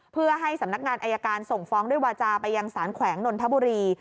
เพื่อให้สำนักงานอายการส่งฟ้องด้วยวาจาไปยังสารแขวงนนทบุรี